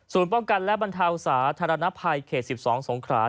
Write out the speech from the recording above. ศูนย์ป้องกันและบรรทาอุตสาธารณภัยเขต๑๒สงครา